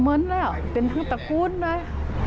เหมือนแล้วหรอเป็นทั้งตระกูลเลย